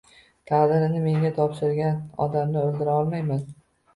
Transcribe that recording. Taqdirini menga topshirgan odamni o’ldira olmayman.